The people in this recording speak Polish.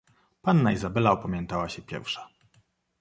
"Panna Izabela opamiętała się pierwsza."